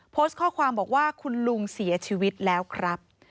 โพสต์ข้อความบอกว่าคุณลุงเสียชีวิตแล้วครับ